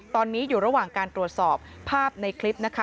ตอนนี้อยู่ระหว่างการตรวจสอบภาพในคลิปนะคะ